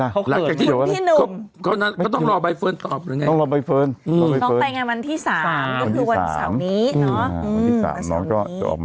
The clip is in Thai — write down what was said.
สามปุถก็เดี๋ยวเราไปอยากลุมกันไหมว่าน้องใบต้องไงเนอะแต่ไปก็มึงค้นตอบคำถามต้องใบตรงมาอยู่